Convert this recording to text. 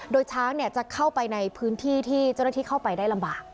โดยช้างจะเข้าไปในพื้นที่ที่เจ้าหน้าที่เข้าไปได้ลำบาก